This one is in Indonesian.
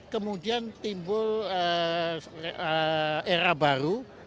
kemudian timbul era baru